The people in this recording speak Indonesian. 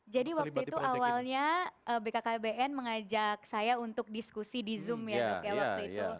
jadi waktu itu awalnya bkkbn mengajak saya untuk diskusi di zoom ya waktu itu